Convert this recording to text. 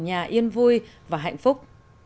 nhà yên vui và hạnh phúc